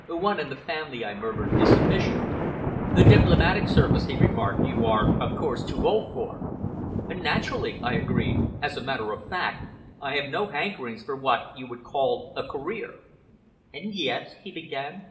"One in the family," I murmured, "is sufficient." "The diplomatic service," he remarked, "you are, of course, too old for." "Naturally," I agreed; "as a matter of fact, I have no hankerings for what you would call a career." "And yet " he began.